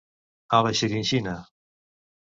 A la xirinxina.